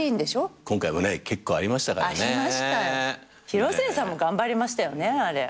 広末さんも頑張りましたよねあれ。